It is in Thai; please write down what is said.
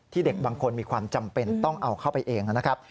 เด็กบางคนมีความจำเป็นต้องเอาเข้าไปเองนะครับ